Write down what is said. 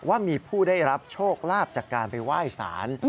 ว่ามีผู้ได้รับโชคลาภจากการไปไหว้สาร